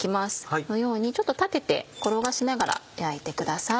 このようにちょっと立てて転がしながら焼いてください。